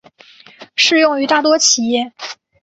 适用于大多企业。